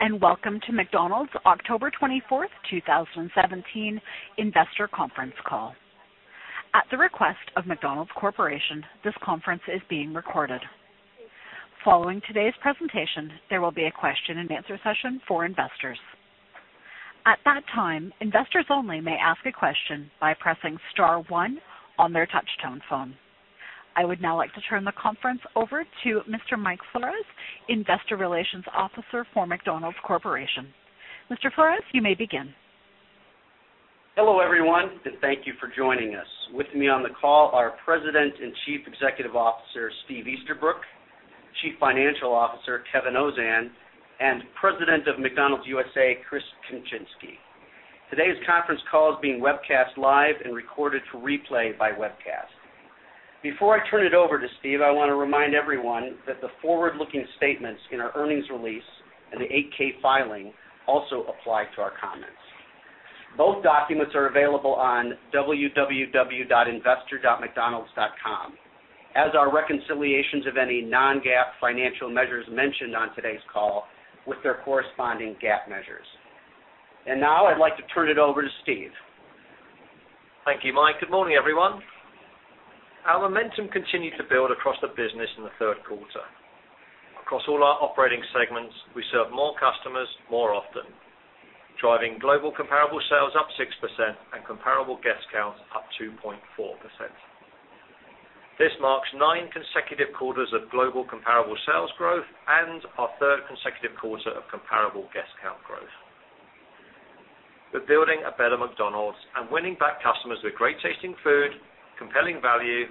Hello, welcome to McDonald's October 24, 2017 investor conference call. At the request of McDonald's Corporation, this conference is being recorded. Following today's presentation, there will be a question and answer session for investors. At that time, investors only may ask a question by pressing star one on their touch-tone phone. I would now like to turn the conference over to Mr. Mike Flores, Investor Relations Officer for McDonald's Corporation. Mr. Flores, you may begin. Hello, everyone, thank you for joining us. With me on the call are President and Chief Executive Officer, Steve Easterbrook, Chief Financial Officer, Kevin Ozan, and President of McDonald's USA, Chris Kempczinski. Today's conference call is being webcast live and recorded for replay by webcast. Before I turn it over to Steve, I want to remind everyone that the forward-looking statements in our earnings release and the 8-K filing also apply to our comments. Both documents are available on www.investor.mcdonalds.com, as are reconciliations of any non-GAAP financial measures mentioned on today's call with their corresponding GAAP measures. Now I'd like to turn it over to Steve. Thank you, Mike. Good morning, everyone. Our momentum continued to build across the business in the third quarter. Across all our operating segments, we served more customers more often, driving global comparable sales up 6% and comparable guest counts up 2.4%. This marks nine consecutive quarters of global comparable sales growth and our third consecutive quarter of comparable guest count growth. We're building a better McDonald's and winning back customers with great-tasting food, compelling value,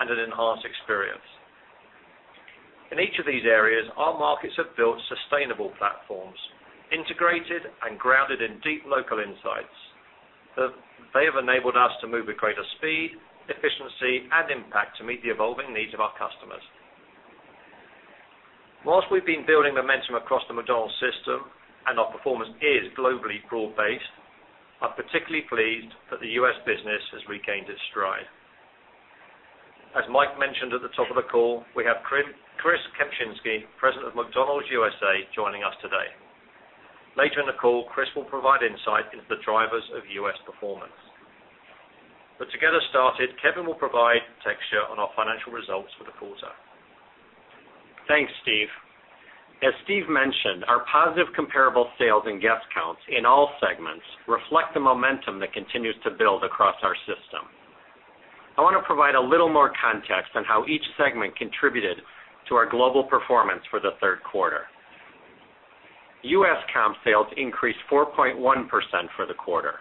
and an enhanced experience. In each of these areas, our markets have built sustainable platforms, integrated and grounded in deep local insights, that they have enabled us to move with greater speed, efficiency, and impact to meet the evolving needs of our customers. Whilst we've been building momentum across the McDonald's system and our performance is globally broad-based, I'm particularly pleased that the U.S. business has regained its stride. As Mike mentioned at the top of the call, we have Chris Kempczinski, President of McDonald's USA, joining us today. Later in the call, Chris will provide insight into the drivers of U.S. performance. To get us started, Kevin will provide texture on our financial results for the quarter. Thanks, Steve. As Steve mentioned, our positive comparable sales and guest counts in all segments reflect the momentum that continues to build across our system. I want to provide a little more context on how each segment contributed to our global performance for the third quarter. U.S. comp sales increased 4.1% for the quarter,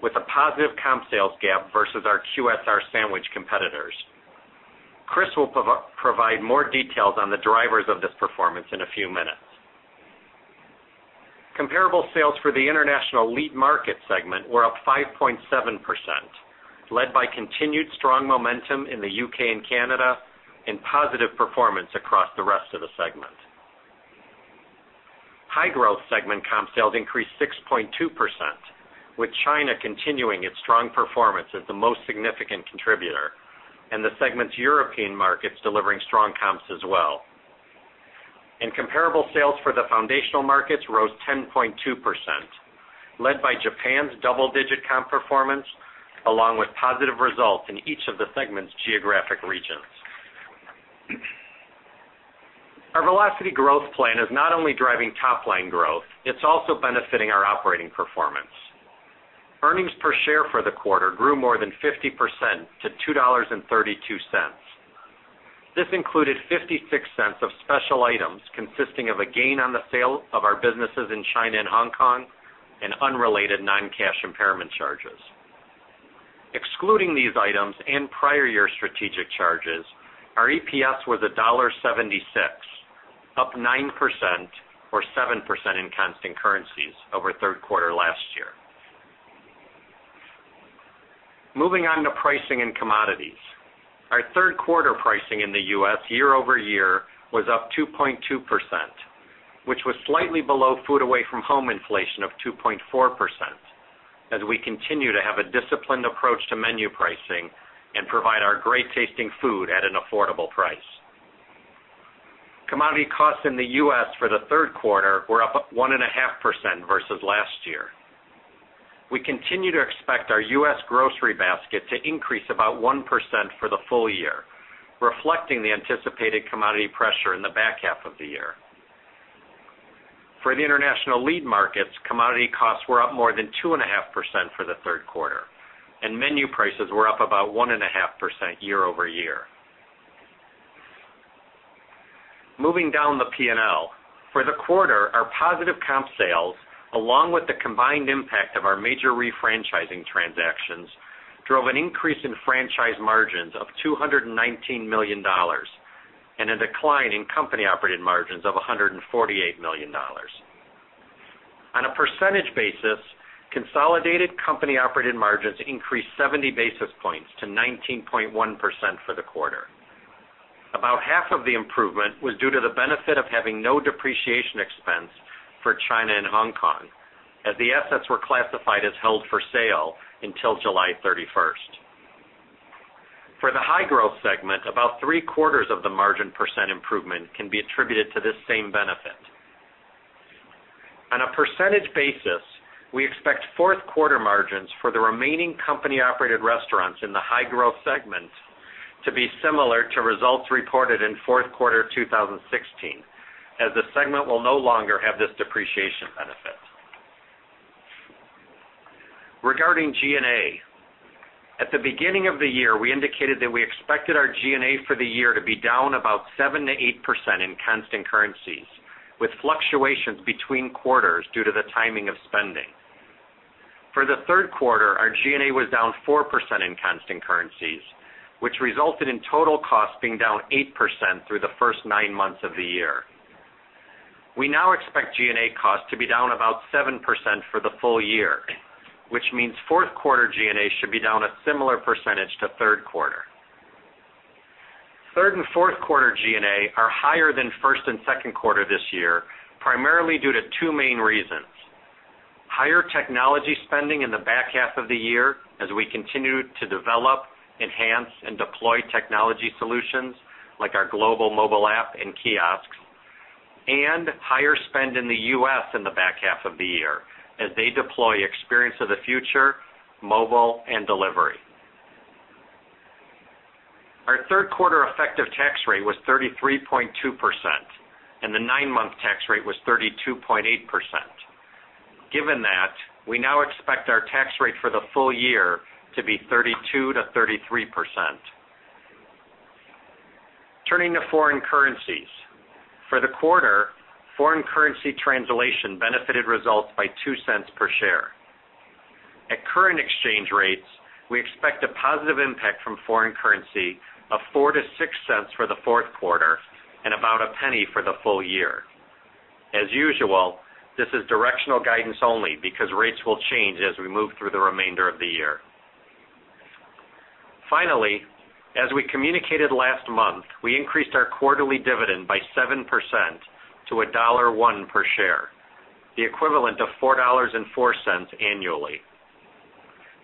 with a positive comp sales gap versus our QSR sandwich competitors. Chris will provide more details on the drivers of this performance in a few minutes. Comparable sales for the international lead market segment were up 5.7%, led by continued strong momentum in the U.K. and Canada and positive performance across the rest of the segment. High-growth segment comp sales increased 6.2%, with China continuing its strong performance as the most significant contributor, and the segment's European markets delivering strong comps as well. Comparable sales for the foundational markets rose 10.2%, led by Japan's double-digit comp performance, along with positive results in each of the segment's geographic regions. Our Velocity Growth Plan is not only driving top-line growth, it's also benefiting our operating performance. Earnings per share for the quarter grew more than 50% to $2.32. This included $0.56 of special items consisting of a gain on the sale of our businesses in China and Hong Kong and unrelated non-cash impairment charges. Excluding these items and prior year strategic charges, our EPS was $1.76, up 9% or 7% in constant currencies over third quarter last year. Moving on to pricing and commodities. Our third quarter pricing in the U.S. year-over-year was up 2.2%, which was slightly below food away from home inflation of 2.4% as we continue to have a disciplined approach to menu pricing and provide our great-tasting food at an affordable price. Commodity costs in the U.S. for the third quarter were up 1.5% versus last year. We continue to expect our U.S. grocery basket to increase about 1% for the full year, reflecting the anticipated commodity pressure in the back half of the year. For the international lead markets, commodity costs were up more than 2.5% for the third quarter, and menu prices were up about 1.5% year-over-year. Moving down the P&L. For the quarter, our positive comp sales, along with the combined impact of our major refranchising transactions, drove an increase in franchise margins of $219 million and a decline in company-operated margins of $148 million. On a percentage basis, consolidated company-operated margins increased 70 basis points to 19.1% for the quarter. About half of the improvement was due to the benefit of having no depreciation expense for China and Hong Kong, as the assets were classified as held for sale until July 31st. For the high-growth segment, about three-quarters of the margin percent improvement can be attributed to this same benefit. On a percentage basis, we expect fourth quarter margins for the remaining company-operated restaurants in the high-growth segment to be similar to results reported in fourth quarter 2016, as the segment will no longer have this depreciation benefit. Regarding G&A. At the beginning of the year, we indicated that we expected our G&A for the year to be down about 7%-8% in constant currencies, with fluctuations between quarters due to the timing of spending. For the third quarter, our G&A was down 4% in constant currencies, which resulted in total costs being down 8% through the first nine months of the year. We now expect G&A costs to be down about 7% for the full year, which means fourth quarter G&A should be down a similar percentage to third quarter. Third and fourth quarter G&A are higher than first and second quarter this year, primarily due to two main reasons. Higher technology spending in the back half of the year as we continue to develop, enhance, and deploy technology solutions like our global mobile app and kiosks. Higher spend in the U.S. in the back half of the year as they deploy Experience of the Future, mobile, and delivery. Our third quarter effective tax rate was 33.2%, and the nine-month tax rate was 32.8%. Given that, we now expect our tax rate for the full year to be 32%-33%. Turning to foreign currencies. For the quarter, foreign currency translation benefited results by $0.02 per share. At current exchange rates, we expect a positive impact from foreign currency of $0.04-$0.06 for the fourth quarter and about $0.01 for the full year. As usual, this is directional guidance only because rates will change as we move through the remainder of the year. Finally, as we communicated last month, we increased our quarterly dividend by 7% to $1.01 per share, the equivalent of $4.04 annually.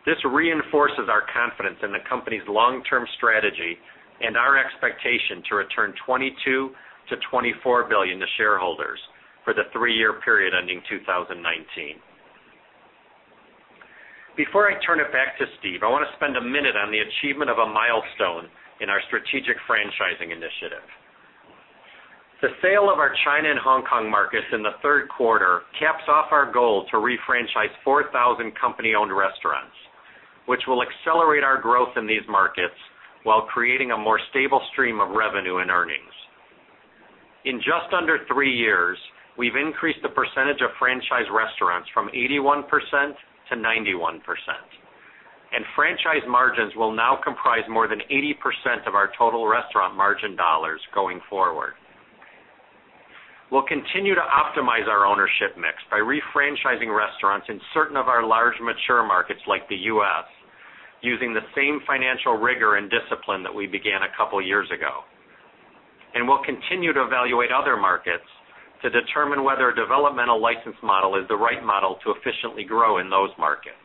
This reinforces our confidence in the company's long-term strategy and our expectation to return $22 billion-$24 billion to shareholders for the three-year period ending 2019. Before I turn it back to Steve, I want to spend a minute on the achievement of a milestone in our strategic franchising initiative. The sale of our China and Hong Kong markets in the third quarter caps off our goal to refranchise 4,000 company-owned restaurants, which will accelerate our growth in these markets while creating a more stable stream of revenue and earnings. In just under three years, we've increased the percentage of franchise restaurants from 81%-91%. Franchise margins will now comprise more than 80% of our total restaurant margin dollars going forward. We'll continue to optimize our ownership mix by refranchising restaurants in certain of our large mature markets like the U.S., using the same financial rigor and discipline that we began a couple of years ago. We'll continue to evaluate other markets to determine whether a developmental license model is the right model to efficiently grow in those markets.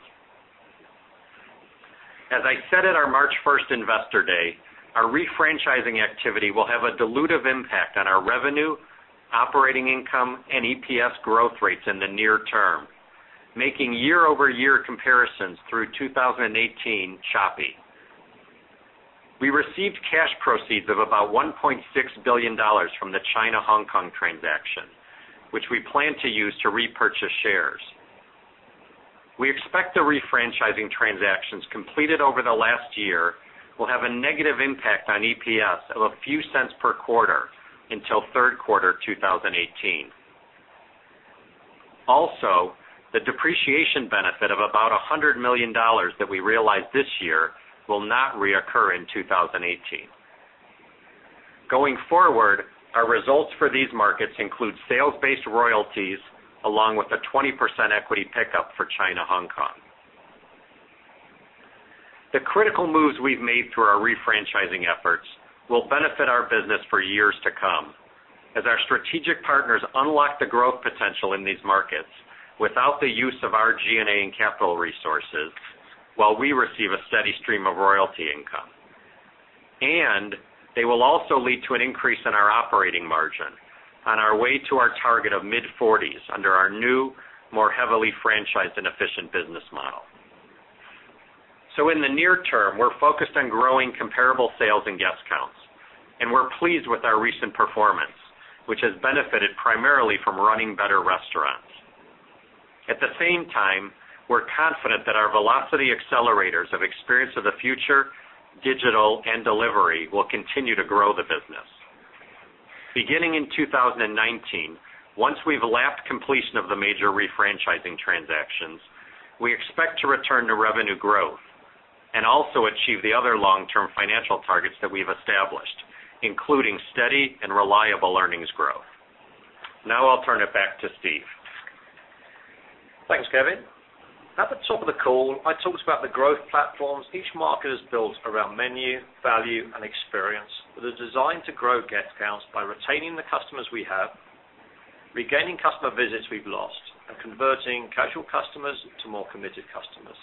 As I said at our March 1st Investor Day, our refranchising activity will have a dilutive impact on our revenue, operating income, and EPS growth rates in the near term, making year-over-year comparisons through 2018 choppy. We received cash proceeds of about $1.6 billion from the China-Hong Kong transaction, which we plan to use to repurchase shares. We expect the refranchising transactions completed over the last year will have a negative impact on EPS of a few $0.01 per quarter until third quarter 2018. The depreciation benefit of about $100 million that we realized this year will not reoccur in 2018. Going forward, our results for these markets include sales-based royalties along with a 20% equity pickup for China-Hong Kong. The critical moves we've made through our refranchising efforts will benefit our business for years to come as our strategic partners unlock the growth potential in these markets without the use of our G&A and capital resources while we receive a steady stream of royalty income. They will also lead to an increase in our operating margin on our way to our target of mid-40s under our new, more heavily franchised and efficient business model. In the near term, we're focused on growing comparable sales and guest counts, and we're pleased with our recent performance, which has benefited primarily from running better restaurants. At the same time, we're confident that our velocity accelerators of Experience of the Future, digital, and delivery will continue to grow the business. Beginning in 2019, once we've lapped completion of the major refranchising transactions, we expect to return to revenue growth and also achieve the other long-term financial targets that we've established, including steady and reliable earnings growth. I'll turn it back to Steve. Thanks, Kevin. At the top of the call, I talked about the growth platforms each market has built around menu, value, and experience that are designed to grow guest counts by retaining the customers we have, regaining customer visits we've lost and converting casual customers to more committed customers.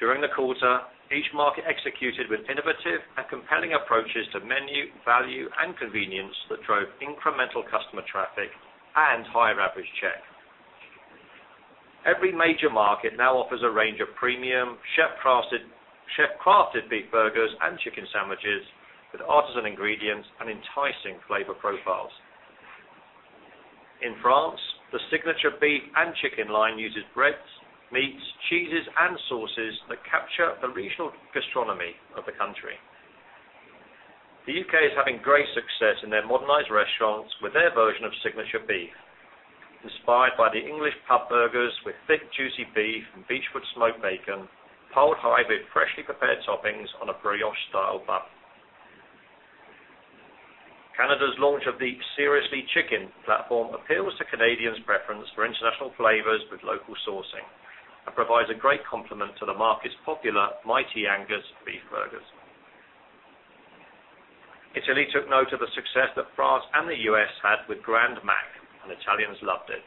During the quarter, each market executed with innovative and compelling approaches to menu, value, and convenience that drove incremental customer traffic and higher average check. Every major market now offers a range of premium chef-crafted beef burgers and chicken sandwiches with artisan ingredients and enticing flavor profiles. In France, the signature beef and chicken line uses breads, meats, cheeses, and sauces that capture the regional gastronomy of the country. The U.K. is having great success in their modernized restaurants with their version of signature beef, inspired by the English pub burgers with thick, juicy beef and beechwood smoked bacon, piled high with freshly prepared toppings on a brioche-style bun. Canada's launch of the Seriously Chicken platform appeals to Canadians' preference for international flavors with local sourcing and provides a great complement to the market's popular Mighty Angus beef burgers. Italy took note of the success that France and the U.S. had with Grand Mac, Italians loved it.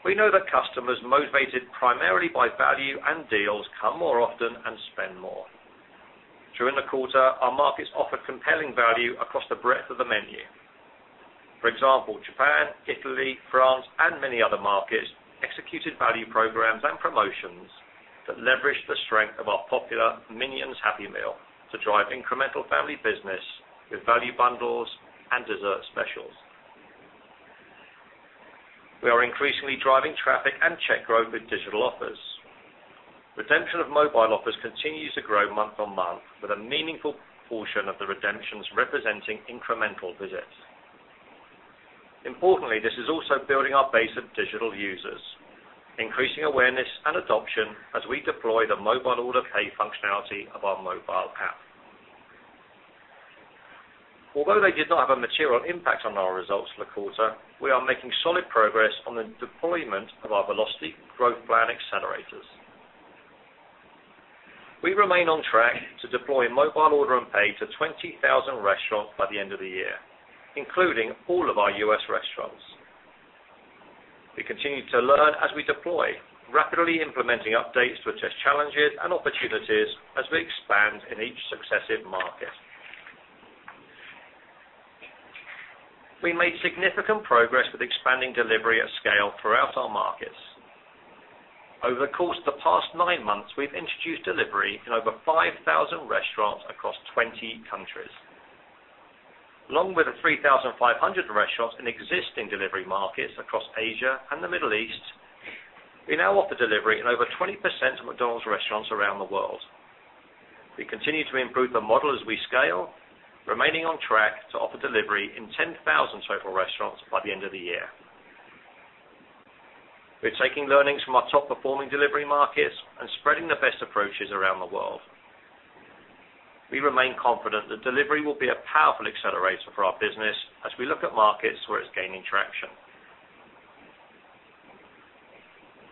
We know that customers motivated primarily by value and deals come more often and spend more. During the quarter, our markets offered compelling value across the breadth of the menu. For example, Japan, Italy, France, and many other markets executed value programs and promotions that leveraged the strength of our popular Minions Happy Meal to drive incremental family business with value bundles and dessert specials. We are increasingly driving traffic and check growth with digital offers. Redemption of mobile offers continues to grow month-on-month, with a meaningful portion of the redemptions representing incremental visits. Importantly, this is also building our base of digital users, increasing awareness and adoption as we deploy the Mobile Order & Pay functionality of our mobile app. Although they did not have a material impact on our results for the quarter, we are making solid progress on the deployment of our Velocity Growth Plan accelerators. We remain on track to deploy Mobile Order & Pay to 20,000 restaurants by the end of the year, including all of our U.S. restaurants. We continue to learn as we deploy, rapidly implementing updates to address challenges and opportunities as we expand in each successive market. We made significant progress with expanding delivery at scale throughout our markets. Over the course of the past nine months, we've introduced delivery in over 5,000 restaurants across 20 countries. Along with the 3,500 restaurants in existing delivery markets across Asia and the Middle East, we now offer delivery in over 20% of McDonald's restaurants around the world. We continue to improve the model as we scale, remaining on track to offer delivery in 10,000 total restaurants by the end of the year. We're taking learnings from our top-performing delivery markets and spreading the best approaches around the world. We remain confident that delivery will be a powerful accelerator for our business as we look at markets where it's gaining traction.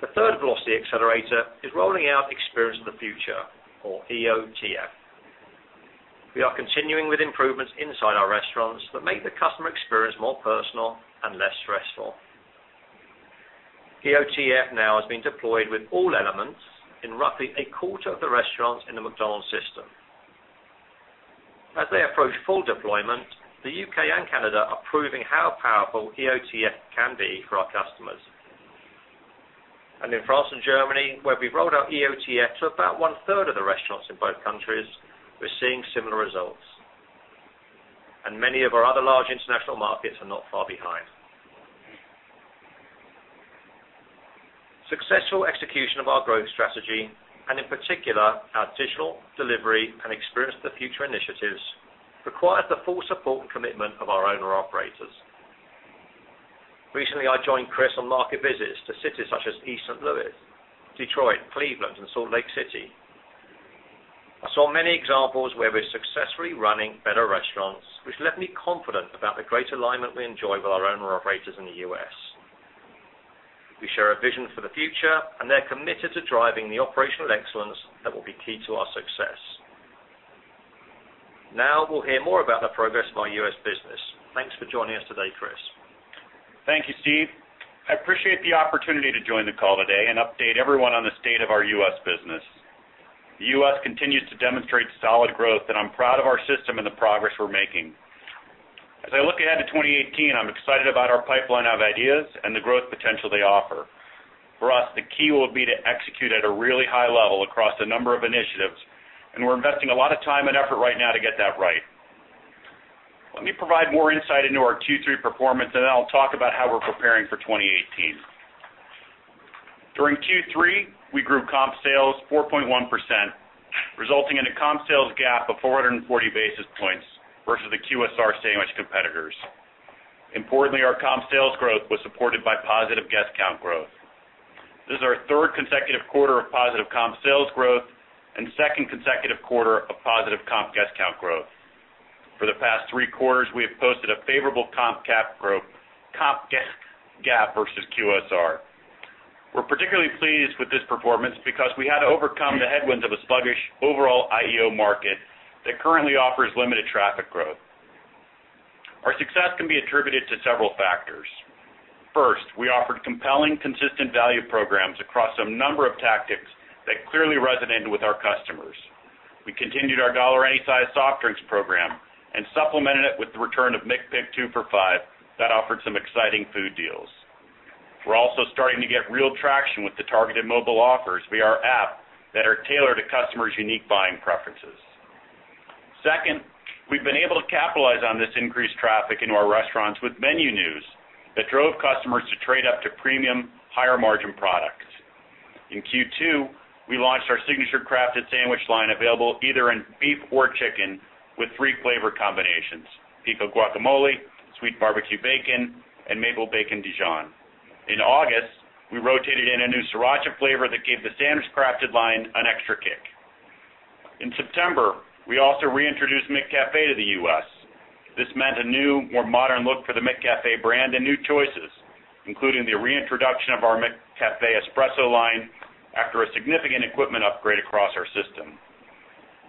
The third Velocity accelerator is rolling out Experience of the Future, or EOTF. We are continuing with improvements inside our restaurants that make the customer experience more personal and less stressful. EOTF now has been deployed with all elements in roughly a quarter of the restaurants in the McDonald's system. As they approach full deployment, the U.K. and Canada are proving how powerful EOTF can be for our customers. In France and Germany, where we've rolled out EOTF to about one-third of the restaurants in both countries, we're seeing similar results, and many of our other large international markets are not far behind. Successful execution of our growth strategy, in particular, our digital delivery and Experience of the Future initiatives, requires the full support and commitment of our owner-operators. Recently, I joined Chris on market visits to cities such as East St. Louis, Detroit, Cleveland, and Salt Lake City. I saw many examples where we're successfully running better restaurants, which left me confident about the great alignment we enjoy with our owner-operators in the U.S. We share a vision for the future, and they're committed to driving the operational excellence that will be key to our success. We'll hear more about the progress of our U.S. business. Thanks for joining us today, Chris. Thank you, Steve. I appreciate the opportunity to join the call today and update everyone on the state of our U.S. business. The U.S. continues to demonstrate solid growth, and I'm proud of our system and the progress we're making. As I look ahead to 2018, I'm excited about our pipeline of ideas and the growth potential they offer. For us, the key will be to execute at a really high level across a number of initiatives, and we're investing a lot of time and effort right now to get that right. Let me provide more insight into our Q3 performance, and then I'll talk about how we're preparing for 2018. During Q3, we grew comp sales 4.1%, resulting in a comp sales gap of 440 basis points versus the QSR sandwich competitors. Importantly, our comp sales growth was supported by positive guest count growth. This is our third consecutive quarter of positive comp sales growth and second consecutive quarter of positive comp guest count growth. For the past three quarters, we have posted a favorable comp gap versus QSR. We're particularly pleased with this performance because we had to overcome the headwinds of a sluggish overall IEO market that currently offers limited traffic growth. Our success can be attributed to several factors. First, we offered compelling, consistent value programs across a number of tactics that clearly resonated with our customers. We continued our dollar any size soft drinks program and supplemented it with the return of McPick 2 for $5 that offered some exciting food deals. We're also starting to get real traction with the targeted mobile offers via our app that are tailored to customers' unique buying preferences. Second, we've been able to capitalize on this increased traffic into our restaurants with menu news that drove customers to trade up to premium higher-margin products. In Q2, we launched our Signature Crafted sandwich line, available either in beef or chicken with three flavor combinations, Pico Guacamole, Sweet BBQ Bacon, and Maple Bacon Dijon. In August, we rotated in a new Sriracha flavor that gave the sandwich Crafted line an extra kick. In September, we also reintroduced McCafé to the U.S. This meant a new, more modern look for the McCafé brand and new choices, including the reintroduction of our McCafé Espresso line after a significant equipment upgrade across our system.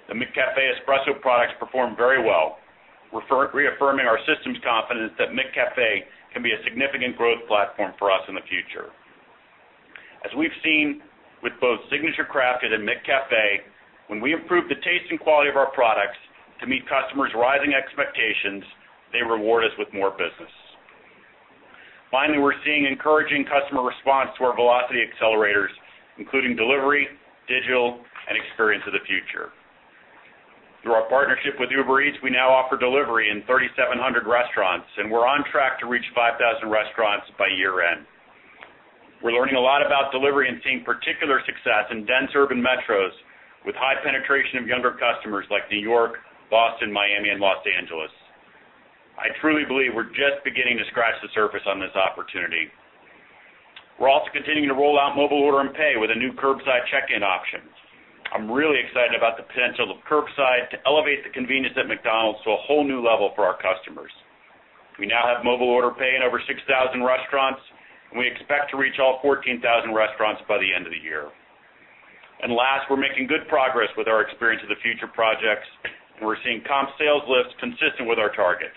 The McCafé Espresso products performed very well, reaffirming our systems confidence that McCafé can be a significant growth platform for us in the future. As we've seen with both Signature Crafted and McCafé, when we improve the taste and quality of our products to meet customers' rising expectations, they reward us with more business. Finally, we're seeing encouraging customer response to our velocity accelerators, including delivery, digital, and Experience of the Future. Through our partnership with Uber Eats, we now offer delivery in 3,700 restaurants, and we're on track to reach 5,000 restaurants by year-end. We're learning a lot about delivery and seeing particular success in dense urban metros with high penetration of younger customers like N.Y., Boston, Miami, and L.A. I truly believe we're just beginning to scratch the surface on this opportunity. We're also continuing to roll out Mobile Order & Pay with a new curbside check-in option. I'm really excited about the potential of curbside to elevate the convenience at McDonald's to a whole new level for our customers. We now have Mobile Order & Pay in over 6,000 restaurants, and we expect to reach all 14,000 restaurants by the end of the year. Last, we're making good progress with our Experience of the Future projects, and we're seeing comp sales lifts consistent with our targets.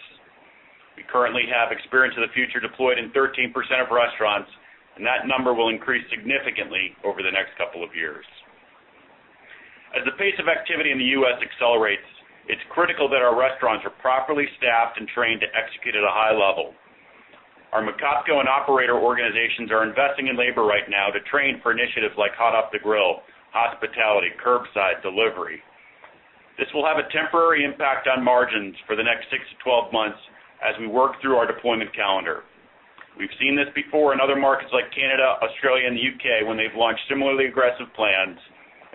We currently have Experience of the Future deployed in 13% of restaurants, and that number will increase significantly over the next couple of years. As the pace of activity in the U.S. accelerates, it's critical that our restaurants are properly staffed and trained to execute at a high level. Our McCafé and operator organizations are investing in labor right now to train for initiatives like Hot Off the Grill, hospitality, curbside delivery. This will have a temporary impact on margins for the next 6 to 12 months as we work through our deployment calendar. We've seen this before in other markets like Canada, Australia, and the U.K. when they've launched similarly aggressive plans.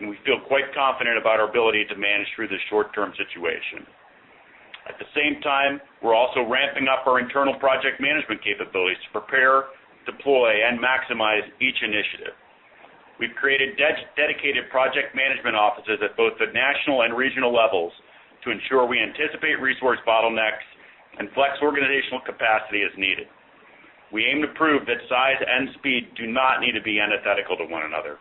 We feel quite confident about our ability to manage through this short-term situation. At the same time, we're also ramping up our internal project management capabilities to prepare, deploy, and maximize each initiative. We've created dedicated project management offices at both the national and regional levels to ensure we anticipate resource bottlenecks and flex organizational capacity as needed. We aim to prove that size and speed do not need to be antithetical to one another.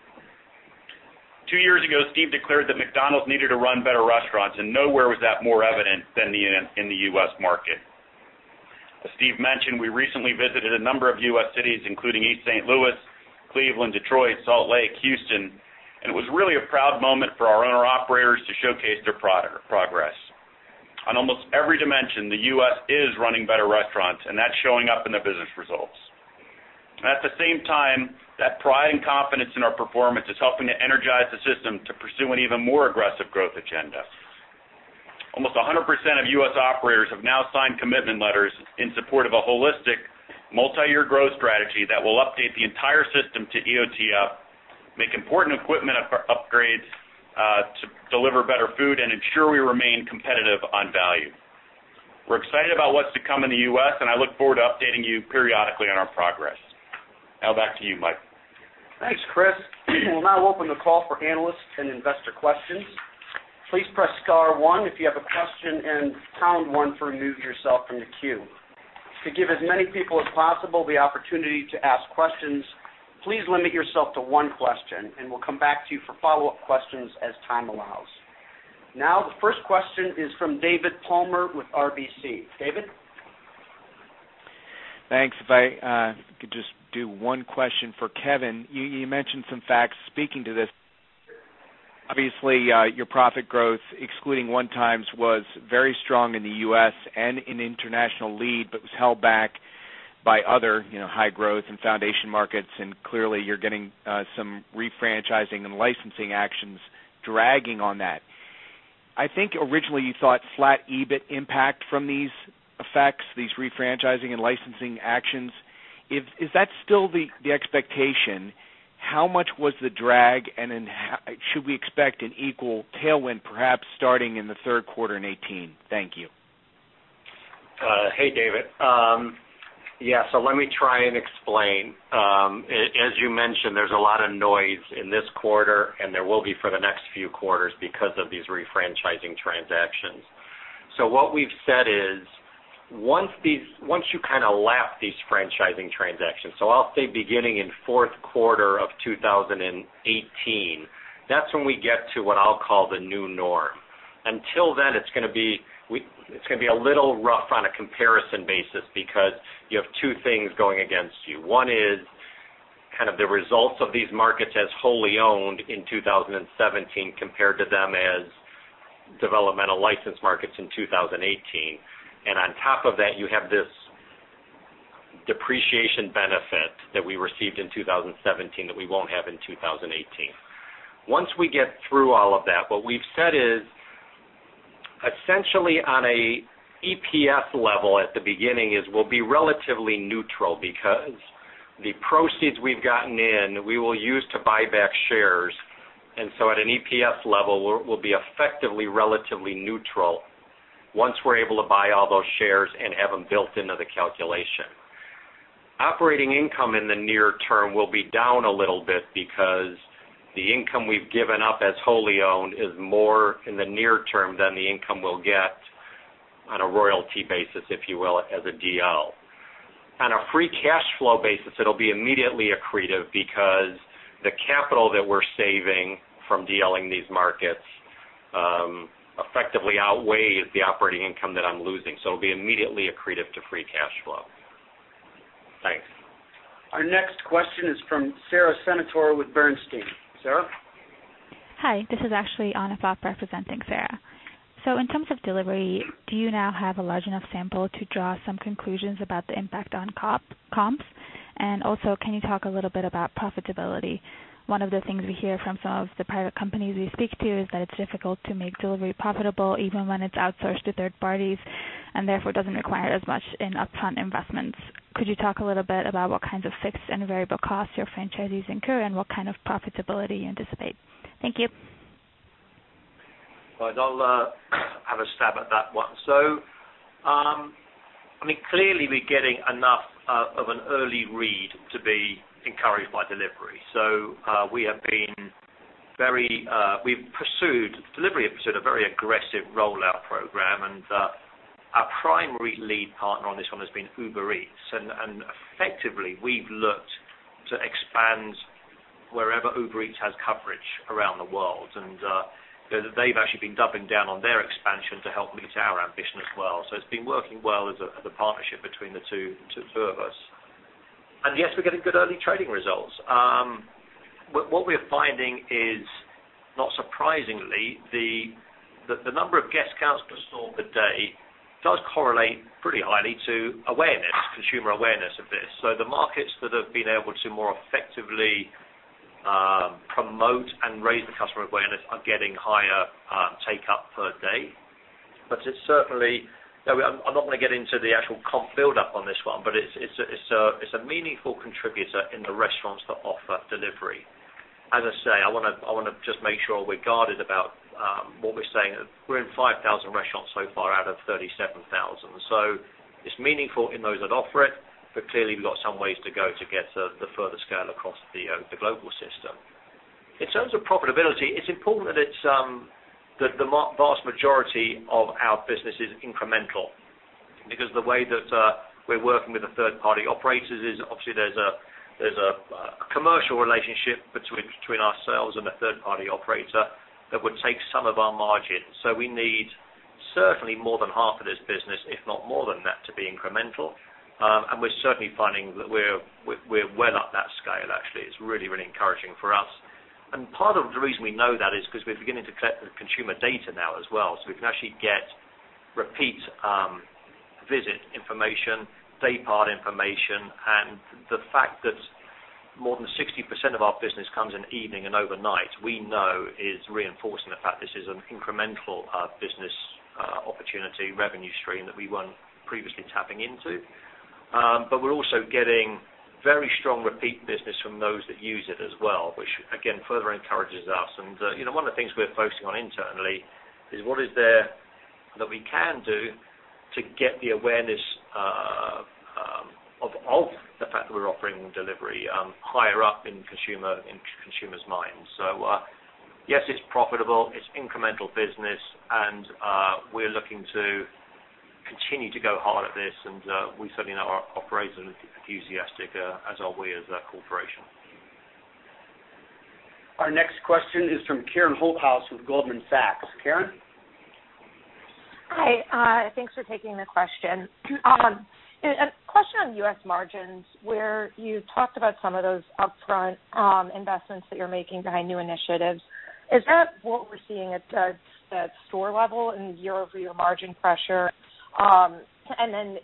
Two years ago, Steve declared that McDonald's needed to run better restaurants, and nowhere was that more evident than in the U.S. market. As Steve mentioned, we recently visited a number of U.S. cities, including East St. Louis, Cleveland, Detroit, Salt Lake, Houston. It was really a proud moment for our owner operators to showcase their progress. On almost every dimension, the U.S. is running better restaurants, and that's showing up in the business results. At the same time, that pride and confidence in our performance is helping to energize the system to pursue an even more aggressive growth agenda. Almost 100% of U.S. operators have now signed commitment letters in support of a holistic multi-year growth strategy that will update the entire system to EOTF, make important equipment upgrades, to deliver better food, and ensure we remain competitive on value. We're excited about what's to come in the U.S. I look forward to updating you periodically on our progress. Back to you, Mike. Thanks, Chris. We'll now open the call for analyst and investor questions. Please press star one if you have a question and pound one to remove yourself from the queue. To give as many people as possible the opportunity to ask questions, please limit yourself to one question. We'll come back to you for follow-up questions as time allows. The first question is from David Palmer with RBC. David? Thanks. If I could just do one question for Kevin. You mentioned some facts speaking to this. Obviously, your profit growth, excluding one times, was very strong in the U.S. and in international lead but was held back by other high growth and foundation markets, and clearly, you're getting some refranchising and licensing actions dragging on that. I think originally you thought flat EBIT impact from these effects, these refranchising and licensing actions. Is that still the expectation? How much was the drag, and should we expect an equal tailwind, perhaps starting in the third quarter in 2018? Thank you. Hey, David. Yeah. Let me try and explain. As you mentioned, there's a lot of noise in this quarter, and there will be for the next few quarters because of these refranchising transactions. What we've said is, once you kind of lap these franchising transactions, I'll say beginning in fourth quarter of 2018, that's when we get to what I'll call the new norm. Until then, it's going to be a little rough on a comparison basis because you have two things going against you. One is kind of the results of these markets as wholly owned in 2017 compared to them as developmental licensed markets in 2018. On top of that, you have this depreciation benefit that we received in 2017 that we won't have in 2018. Once we get through all of that, what we've said is essentially on a EPS level at the beginning is we'll be relatively neutral because the proceeds we've gotten in, we will use to buy back shares. At an EPS level, we'll be effectively relatively neutral once we're able to buy all those shares and have them built into the calculation. Operating income in the near term will be down a little bit because the income we've given up as wholly owned is more in the near term than the income we'll get on a royalty basis, if you will, as a DL. On a free cash flow basis, it'll be immediately accretive because the capital that we're saving from dealing these markets effectively outweighs the operating income that I'm losing, so it'll be immediately accretive to free cash flow. Thanks. Our next question is from Sara Senatore with Bernstein. Sara? Hi, this is actually Anu Gupta representing Sara. In terms of delivery, do you now have a large enough sample to draw some conclusions about the impact on comps? Also, can you talk a little bit about profitability? One of the things we hear from some of the private companies we speak to is that it's difficult to make delivery profitable, even when it's outsourced to third parties, and therefore doesn't require as much in upfront investments. Could you talk a little bit about what kinds of fixed and variable costs your franchisees incur and what kind of profitability you anticipate? Thank you. Right. I'll have a stab at that one. Clearly we're getting enough of an early read to be encouraged by delivery. Delivery has pursued a very aggressive rollout program, and our primary lead partner on this one has been Uber Eats. Effectively, we've looked to expand wherever Uber Eats has coverage around the world. They've actually been doubling down on their expansion to help meet our ambition as well. It's been working well as a partnership between the two of us. Yes, we're getting good early trading results. What we're finding is, not surprisingly, that the number of guest counts per store per day does correlate pretty highly to awareness, consumer awareness of this. The markets that have been able to more effectively promote and raise the customer awareness are getting higher take-up per day. I'm not going to get into the actual comp build-up on this one, but it's a meaningful contributor in the restaurants that offer delivery. As I say, I want to just make sure we're guarded about what we're saying. We're in 5,000 restaurants so far out of 37,000. It's meaningful in those that offer it, but clearly we've got some ways to go to get the further scale across the global system. In terms of profitability, it's important that the vast majority of our business is incremental because the way that we're working with the third-party operators is obviously there's a commercial relationship between ourselves and a third-party operator that would take some of our margin. We need certainly more than half of this business, if not more than that, to be incremental. We're certainly finding that we're well up that scale, actually. It's really encouraging for us. Part of the reason we know that is because we're beginning to collect the consumer data now as well. We can actually get repeat visit information, day-part information. The fact that more than 60% of our business comes in evening and overnight, we know is reinforcing the fact this is an incremental business opportunity revenue stream that we weren't previously tapping into. We're also getting very strong repeat business from those that use it as well, which again, further encourages us. One of the things we're focusing on internally is what is there that we can do to get the awareness of the fact that we're offering delivery higher up in consumers' minds. Yes, it's profitable, it's incremental business, we're looking to continue to go hard at this, we certainly know our operators are enthusiastic, as are we as a corporation. Our next question is from Karen Holthouse with Goldman Sachs. Karen? Hi. Thanks for taking the question. A question on U.S. margins, where you talked about some of those upfront investments that you're making behind new initiatives. Is that what we're seeing at the store level in year-over-year margin pressure?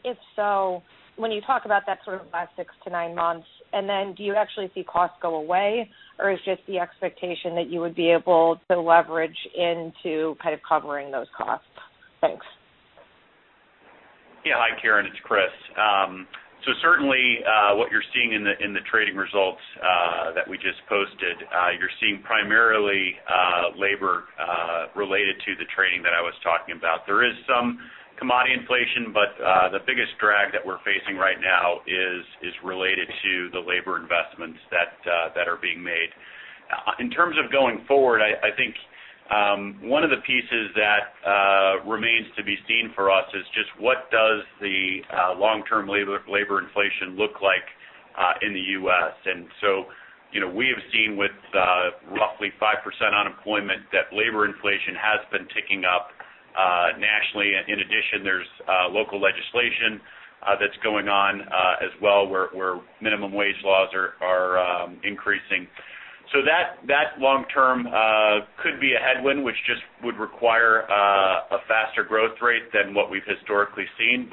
If so, when you talk about that sort of last six to nine months, do you actually see costs go away, or is just the expectation that you would be able to leverage into kind of covering those costs? Thanks. Yeah. Hi, Karen. It's Chris. Certainly, what you're seeing in the trading results that we just posted, you're seeing primarily labor related to the trading that I was talking about. There is some commodity inflation, but the biggest drag that we're facing right now is related to the labor investments that are being made. In terms of going forward, I think one of the pieces that remains to be seen for us is just what does the long-term labor inflation look like in the U.S.? We have seen with roughly 5% unemployment that labor inflation has been ticking up nationally. In addition, there's local legislation that's going on as well, where minimum wage laws are increasing. That long term could be a headwind, which just would require a faster growth rate than what we've historically seen.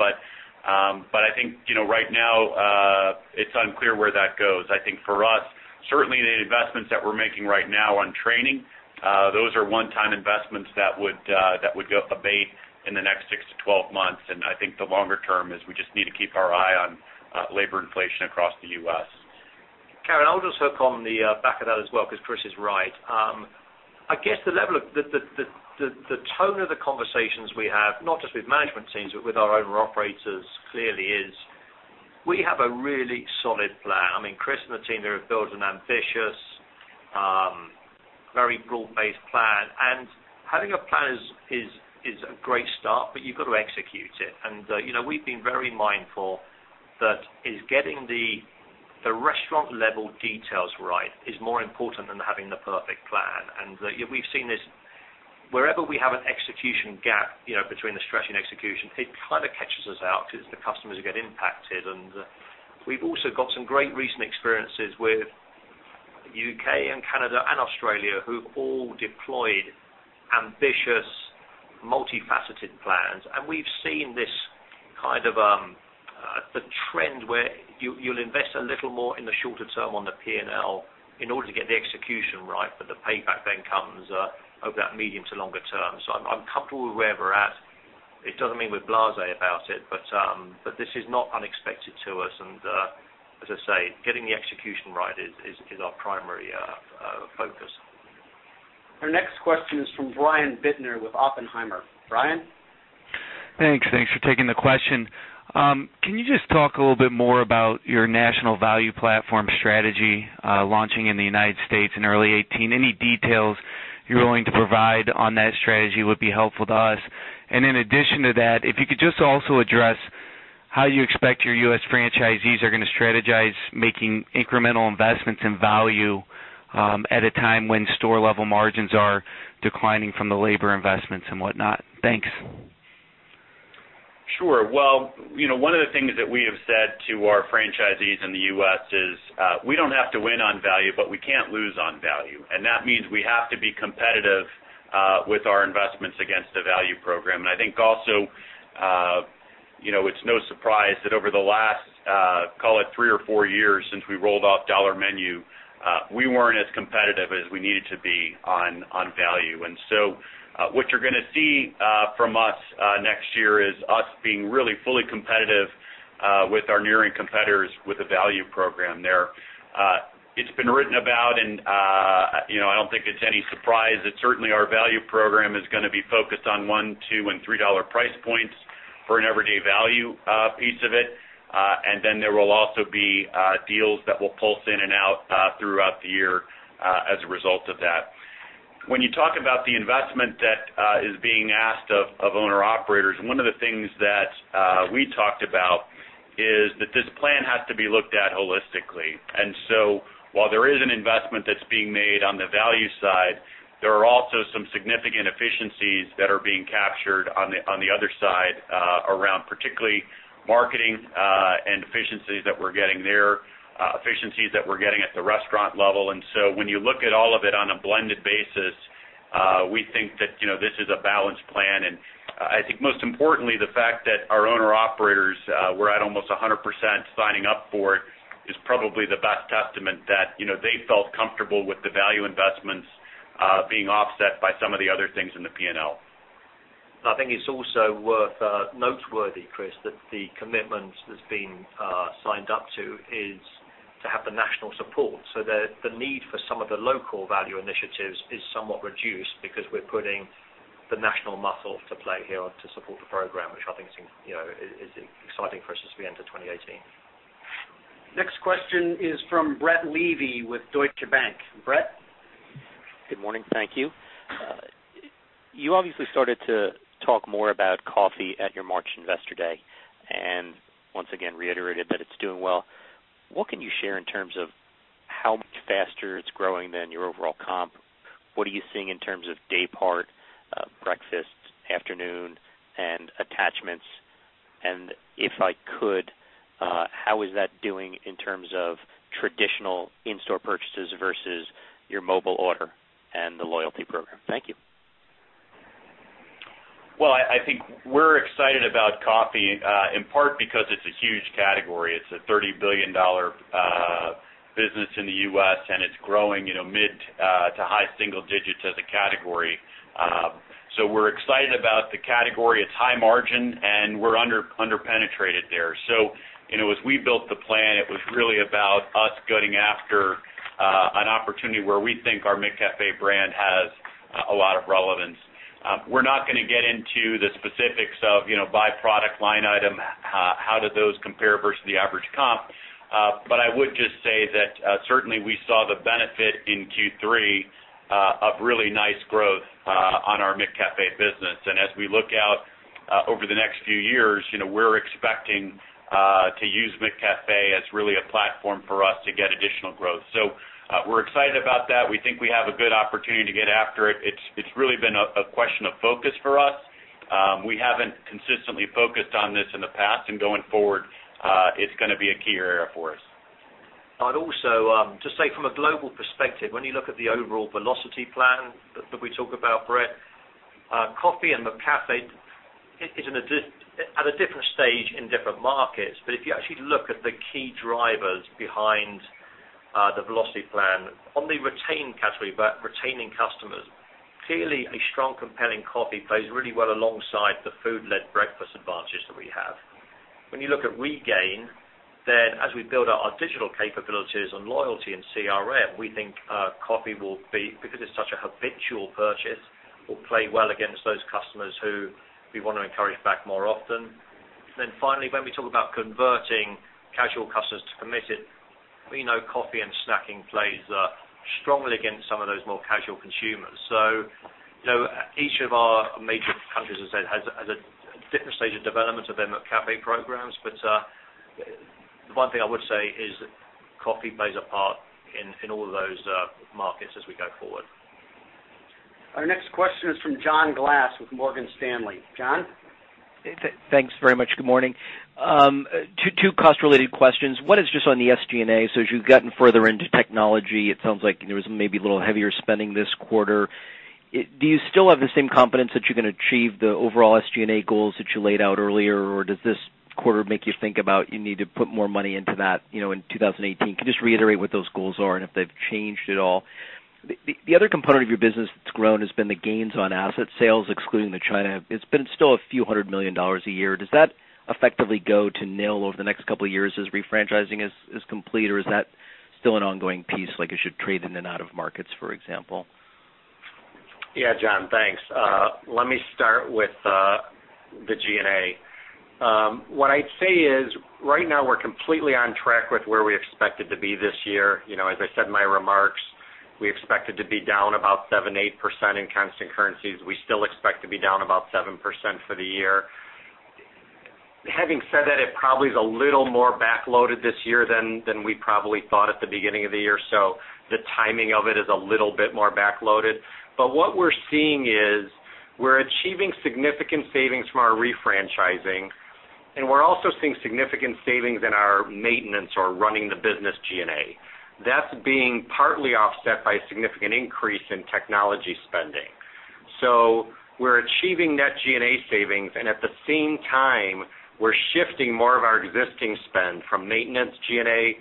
I think, right now, it's unclear where that goes. I think for us, certainly the investments that we're making right now on training, those are one-time investments that would abate in the next six to 12 months, and I think the longer term is we just need to keep our eye on labor inflation across the U.S. Karen, I'll just hook on the back of that as well, because Chris is right. I guess the tone of the conversations we have, not just with management teams, but with our owner operators, clearly is we have a really solid plan. Chris and the team there have built an ambitious, very broad-based plan. Having a plan is a great start, but you've got to execute it. We've been very mindful that is getting the restaurant level details right is more important than having the perfect plan. We've seen this wherever we have an execution gap between the strategy and execution, it kind of catches us out because the customers get impacted. We've also got some great recent experiences with U.K. and Canada and Australia, who've all deployed ambitious, multifaceted plans. We've seen this kind of the trend where you'll invest a little more in the shorter term on the P&L in order to get the execution right. The payback then comes over that medium to longer term. I'm comfortable with where we're at. It doesn't mean we're blasé about it, but this is not unexpected to us. As I say, getting the execution right is our primary focus. Our next question is from Brian Bittner with Oppenheimer. Brian? Thanks for taking the question. Can you just talk a little bit more about your national value platform strategy launching in the U.S. in early 2018? Any details you are willing to provide on that strategy would be helpful to us. In addition to that, if you could just also address how you expect your U.S. franchisees are going to strategize making incremental investments in value at a time when store-level margins are declining from the labor investments and whatnot. Thanks. Sure. Well, one of the things that we have said to our franchisees in the U.S. is we don't have to win on value, but we can't lose on value. That means we have to be competitive with our investments against a value program. I think also it's no surprise that over the last, call it three or four years since we rolled off Dollar Menu, we weren't as competitive as we needed to be on value. What you're going to see from us next year is us being really fully competitive with our nearing competitors with a value program there. It's been written about and I don't think it's any surprise that certainly our value program is going to be focused on $1, $2, and $3 price points for an everyday value piece of it. There will also be deals that will pulse in and out throughout the year as a result of that. When you talk about the investment that is being asked of owner operators, one of the things that we talked about is that this plan has to be looked at holistically. While there is an investment that's being made on the value side, there are also some significant efficiencies that are being captured on the other side around particularly marketing and efficiencies that we're getting there, efficiencies that we're getting at the restaurant level. When you look at all of it on a blended basis, we think that this is a balanced plan. I think most importantly, the fact that our owner-operators were at almost 100% signing up for it is probably the best testament that they felt comfortable with the value investments being offset by some of the other things in the P&L. I think it's also noteworthy, Chris, that the commitment that's been signed up to is to have the national support. The need for some of the local value initiatives is somewhat reduced because we're putting the national muscle to play here to support the program, which I think is exciting for us as we enter 2018. Next question is from Brett Levy with Deutsche Bank. Brett? Good morning. Thank you. You obviously started to talk more about coffee at your March investor day, and once again reiterated that it's doing well. What can you share in terms of how much faster it's growing than your overall comp? What are you seeing in terms of daypart breakfasts, afternoon, and attachments? If I could, how is that doing in terms of traditional in-store purchases versus your Mobile Order and the loyalty program? Thank you. I think we're excited about coffee in part because it's a huge category. It's a $30 billion business in the U.S., and it's growing mid to high single digits as a category. We're excited about the category. It's high margin, and we're under-penetrated there. As we built the plan, it was really about us going after an opportunity where we think our McCafé brand has A lot of relevance. We're not going to get into the specifics of by product line item, how do those compare versus the average comp, but I would just say that certainly we saw the benefit in Q3 of really nice growth on our McCafé business. As we look out over the next few years, we're expecting to use McCafé as really a platform for us to get additional growth. We're excited about that. We think we have a good opportunity to get after it. It's really been a question of focus for us. We haven't consistently focused on this in the past, and going forward, it's going to be a key area for us. I'd also just say from a global perspective, when you look at the overall Velocity Growth Plan that we talk about, Brett, coffee and McCafé is at a different stage in different markets. If you actually look at the key drivers behind the Velocity Growth Plan on the retain category, retaining customers, clearly a strong, compelling coffee plays really well alongside the food-led breakfast advantage that we have. When you look at regain, as we build out our digital capabilities on loyalty and CRM, we think coffee will be, because it's such a habitual purchase, will play well against those customers who we want to encourage back more often. Finally, when we talk about converting casual customers to committed, we know coffee and snacking plays strongly against some of those more casual consumers. Each of our major countries, as I said, has a different stage of development of their McCafé programs. The one thing I would say is coffee plays a part in all of those markets as we go forward. Our next question is from John Glass with Morgan Stanley. John? Thanks very much. Good morning. Two cost-related questions. One is just on the SG&A. As you've gotten further into technology, it sounds like there was maybe a little heavier spending this quarter. Do you still have the same confidence that you're going to achieve the overall SG&A goals that you laid out earlier, or does this quarter make you think about you need to put more money into that in 2018? Can you just reiterate what those goals are and if they've changed at all? The other component of your business that's grown has been the gains on asset sales, excluding the China. It's been still a few hundred million dollars a year. Does that effectively go to nil over the next couple of years as refranchising is complete, or is that still an ongoing piece, like you should trade in and out of markets, for example? Yeah, John, thanks. Let me start with the G&A. What I'd say is right now we're completely on track with where we expected to be this year. As I said in my remarks, we expected to be down about 7%-8% in constant currencies. We still expect to be down about 7% for the year. Having said that, it probably is a little more backloaded this year than we probably thought at the beginning of the year. The timing of it is a little bit more backloaded. What we're seeing is we're achieving significant savings from our refranchising, and we're also seeing significant savings in our maintenance or running the business G&A. That's being partly offset by a significant increase in technology spending. We're achieving net G&A savings, and at the same time, we're shifting more of our existing spend from maintenance G&A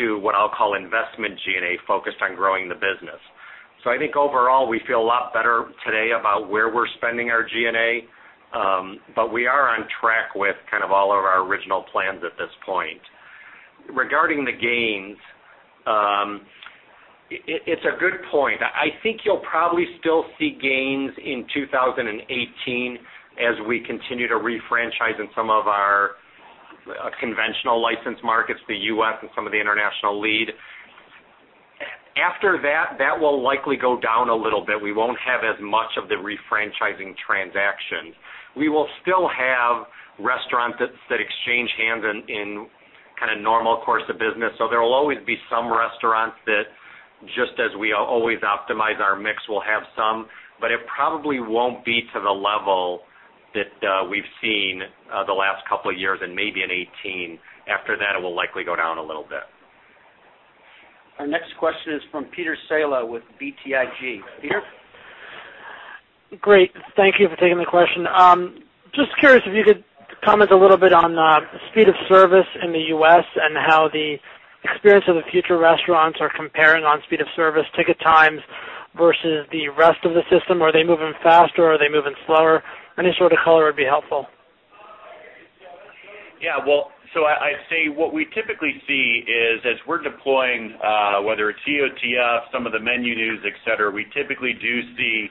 to what I'll call investment G&A focused on growing the business. I think overall, we feel a lot better today about where we're spending our G&A, we are on track with kind of all of our original plans at this point. Regarding the gains, it's a good point. I think you'll probably still see gains in 2018 as we continue to refranchise in some of our conventional licensed markets, the U.S. and some of the international lead. After that will likely go down a little bit. We won't have as much of the refranchising transactions. We will still have restaurants that exchange hands in kind of normal course of business. There will always be some restaurants that just as we always optimize our mix, we'll have some, but it probably won't be to the level that we've seen the last two years and maybe in 2018. After that, it will likely go down a little bit. Our next question is from Peter Saleh with BTIG. Peter? Great. Thank you for taking the question. Just curious if you could comment a little bit on speed of service in the U.S. and how the Experience of the Future restaurants are comparing on speed of service ticket times versus the rest of the system. Are they moving faster? Are they moving slower? Any sort of color would be helpful. Well, I'd say what we typically see is as we're deploying, whether it's EOTF, some of the menu news, et cetera, we typically do see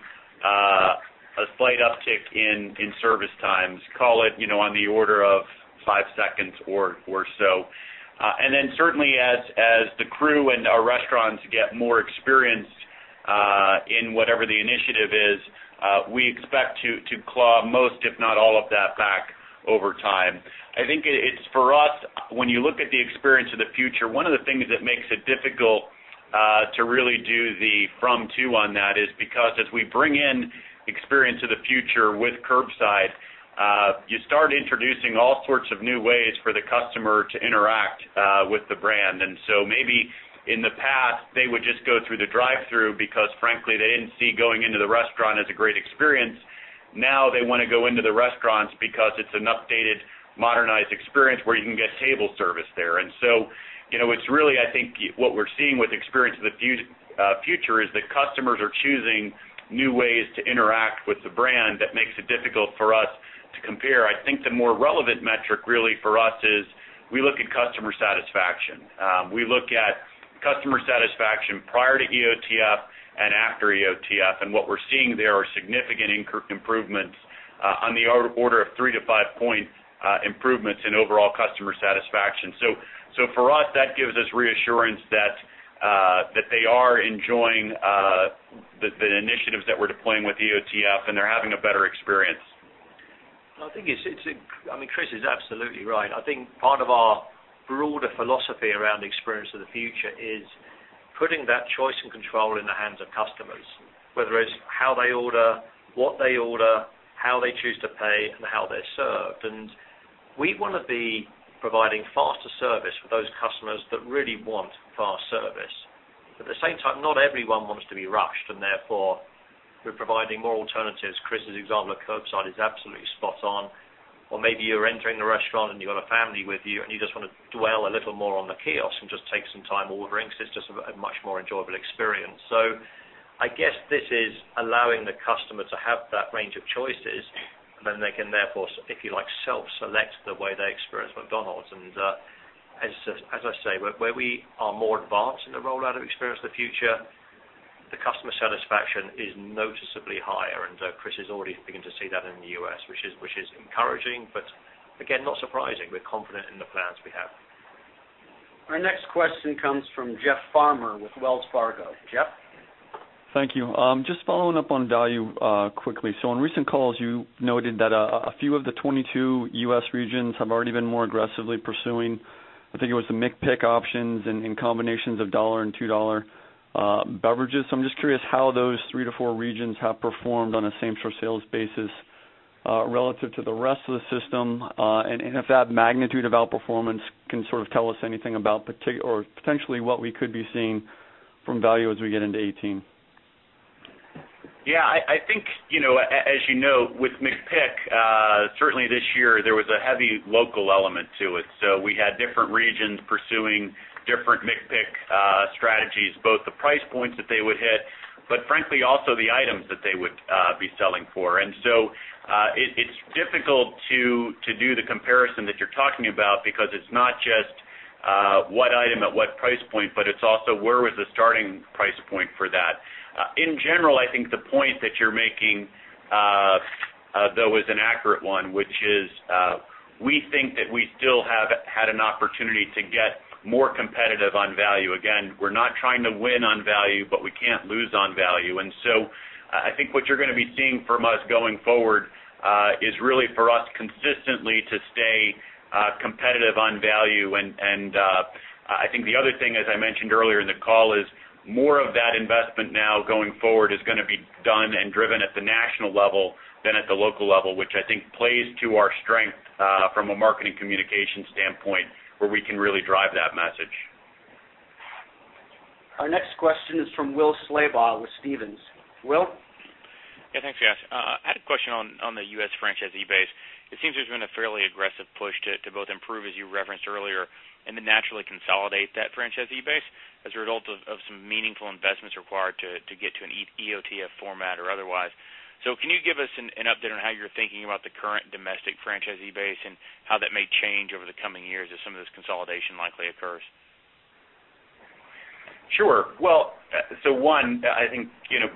a slight uptick in service times, call it on the order of five seconds or so. Certainly as the crew and our restaurants get more experienced in whatever the initiative is, we expect to claw most, if not all of that back over time. I think it's for us, when you look at the Experience of the Future, one of the things that makes it difficult to really do the from-to on that is because as we bring in Experience of the Future with curbside you start introducing all sorts of new ways for the customer to interact with the brand. maybe in the past, they would just go through the drive-thru because frankly, they didn't see going into the restaurant as a great experience. Now they want to go into the restaurants because it's an updated, modernized experience where you can get table service there. It's really, I think what we're seeing with Experience of the Future is that customers are choosing new ways to interact with the brand that makes it difficult for us To compare, I think the more relevant metric really for us is we look at customer satisfaction. We look at customer satisfaction prior to EOTF and after EOTF, and what we're seeing there are significant improvements on the order of three to five-point improvements in overall customer satisfaction. For us, that gives us reassurance that they are enjoying the initiatives that we're deploying with EOTF and they're having a better experience. I think, Chris is absolutely right. I think part of our broader philosophy around the Experience of the Future is putting that choice and control in the hands of customers, whether it's how they order, what they order, how they choose to pay, and how they're served. We want to be providing faster service for those customers that really want fast service. At the same time, not everyone wants to be rushed, and therefore, we're providing more alternatives. Chris' example of curbside is absolutely spot on. Maybe you're entering a restaurant and you've got a family with you, and you just want to dwell a little more on the kiosk and just take some time ordering because it's just a much more enjoyable experience. I guess this is allowing the customer to have that range of choices, and then they can therefore, if you like, self-select the way they experience McDonald's. As I say, where we are more advanced in the rollout of Experience of the Future, the customer satisfaction is noticeably higher. Chris is already beginning to see that in the U.S., which is encouraging, but again, not surprising. We're confident in the plans we have. Our next question comes from Jeff Farmer with Wells Fargo. Jeff? Thank you. Just following up on value quickly. In recent calls, you noted that a few of the 22 U.S. regions have already been more aggressively pursuing, I think it was the McPick options and combinations of $1 and $2 beverages. I'm just curious how those three to four regions have performed on a same-store sales basis relative to the rest of the system. If that magnitude of outperformance can sort of tell us anything about potentially what we could be seeing from value as we get into 2018. I think, as you know, with McPick, certainly this year, there was a heavy local element to it. We had different regions pursuing different McPick strategies, both the price points that they would hit, but frankly, also the items that they would be selling for. It's difficult to do the comparison that you're talking about because it's not just what item at what price point, but it's also where was the starting price point for that. In general, I think the point that you're making, though, is an accurate one, which is we think that we still have had an opportunity to get more competitive on value. Again, we're not trying to win on value, but we can't lose on value. I think what you're going to be seeing from us going forward, is really for us consistently to stay competitive on value. I think the other thing, as I mentioned earlier in the call, is more of that investment now going forward is going to be done and driven at the national level than at the local level, which I think plays to our strength from a marketing communication standpoint, where we can really drive that message. Our next question is from Will Slabaugh with Stephens. Will? Yeah, thanks, guys. I had a question on the U.S. franchisee base. It seems there's been a fairly aggressive push to both improve, as you referenced earlier, and then naturally consolidate that franchisee base as a result of some meaningful investments required to get to an EOTF format or otherwise. Can you give us an update on how you're thinking about the current domestic franchisee base and how that may change over the coming years as some of this consolidation likely occurs? Sure. One, I think,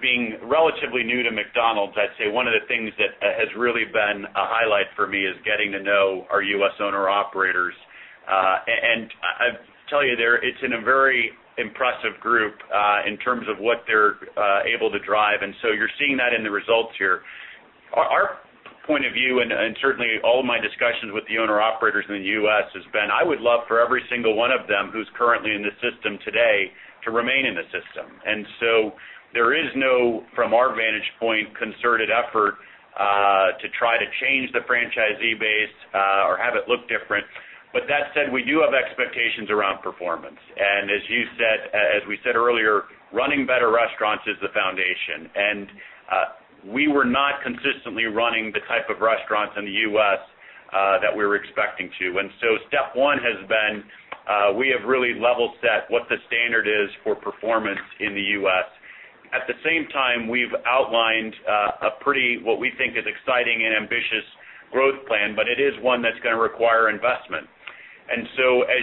being relatively new to McDonald's, I'd say one of the things that has really been a highlight for me is getting to know our U.S. owner-operators. I tell you, it's in a very impressive group in terms of what they're able to drive. You're seeing that in the results here. Our point of view, and certainly all of my discussions with the owner-operators in the U.S., has been, I would love for every single one of them who's currently in the system today to remain in the system. There is no, from our vantage point, concerted effort to try to change the franchisee base or have it look different. That said, we do have expectations around performance. As we said earlier, running better restaurants is the foundation. We were not consistently running the type of restaurants in the U.S. that we were expecting to. Step 1 has been we have really level set what the standard is for performance in the U.S. At the same time, we've outlined a pretty, what we think is exciting and ambitious growth plan, but it is one that's going to require investment. As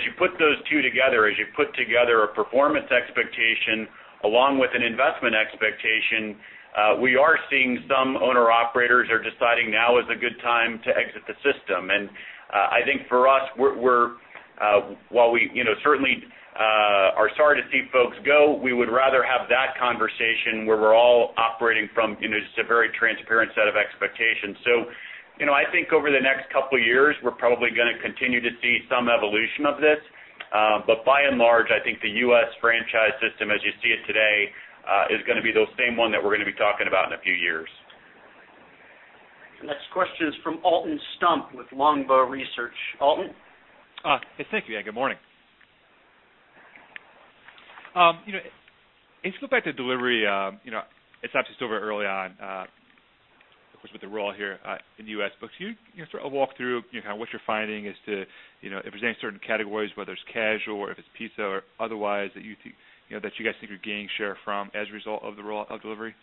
you put those two together, as you put together a performance expectation along with an investment expectation, we are seeing some owner-operators are deciding now is a good time to exit the system. I think for us, while we certainly are sorry to see folks go, we would rather have that conversation where we're all operating from a very transparent set of expectations. Over the next couple of years, we're probably going to continue to see some evolution of this. By and large, I think the U.S. franchise system, as you see it today, is going to be the same one that we're going to be talking about in a few years. The next question is from Alton Stump with Longbow Research. Alton? Thank you. Good morning. If you look back at delivery, it's obviously still very early on of course, with the roll here in the U.S. Can you sort of walk through what you're finding as to if there's any certain categories, whether it's casual or if it's pizza or otherwise, that you guys think you're gaining share from as a result of the roll out of delivery?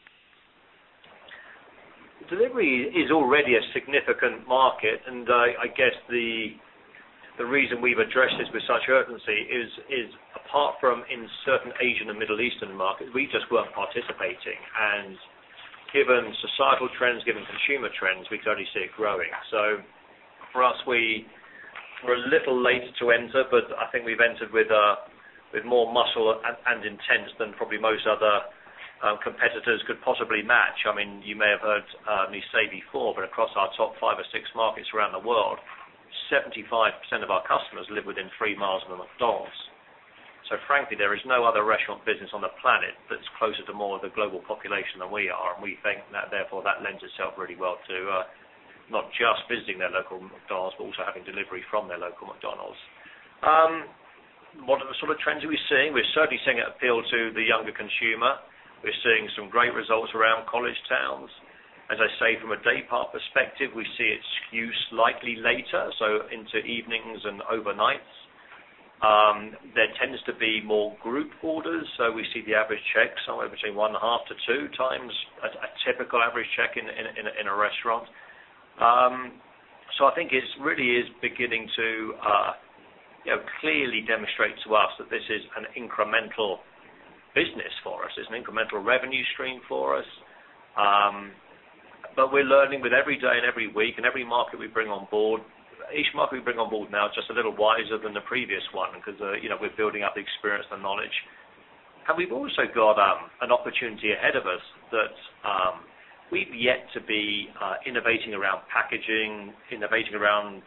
Delivery is already a significant market, and I guess the reason we've addressed this with such urgency is, apart from in certain Asian and Middle Eastern markets, we just weren't participating. Given societal trends, given consumer trends, we can only see it growing. For us, we're a little late to enter, but I think we've entered with more muscle and intent than probably most other competitors could possibly match. You may have heard me say before, but across our top five or six markets around the world, 75% of our customers live within three miles of a McDonald's. Frankly, there is no other restaurant business on the planet that's closer to more of the global population than we are. We think that therefore, that lends itself really well to not just visiting their local McDonald's, but also having delivery from their local McDonald's. What are the sort of trends are we seeing? We're certainly seeing it appeal to the younger consumer. We're seeing some great results around college towns. As I say, from a day-part perspective, we see it skew slightly later, so into evenings and overnights. There tends to be more group orders, so we see the average check somewhere between one half to two times a typical average check in a restaurant. I think it really is beginning to clearly demonstrate to us that this is an incremental business for us. It's an incremental revenue stream for us. We're learning with every day and every week and every market we bring on board. Each market we bring on board now is just a little wiser than the previous one because we're building up the experience and knowledge. We've also got an opportunity ahead of us that we've yet to be innovating around packaging, innovating around